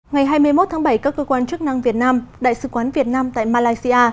ngày hai mươi một tháng bảy các cơ quan chức năng việt nam đại sứ quán việt nam tại malaysia